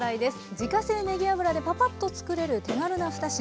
自家製ねぎ油でパパッと作れる手軽な２品。